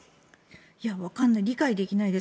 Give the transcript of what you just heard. わからない理解できないです。